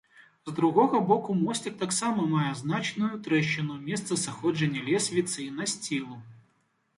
З другога боку мосцік таксама мае значную трэшчыну ў месцы сыходжання лесвіцы і насцілу.